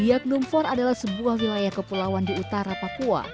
bibagnum fort adalah sebuah wilayah kepulauan di utara papua